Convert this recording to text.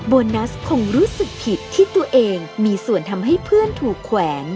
โบนัสคงรู้สึกผิดที่ตัวเองมีส่วนทำให้เพื่อนถูกแขวน